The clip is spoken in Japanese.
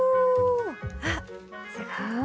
あっすごい。